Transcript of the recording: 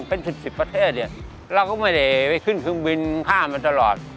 เป็น๑๐ประเทศเนี่ยเราก็ไม่ได้ไปขึ้นเครื่องบินข้ามมาตลอด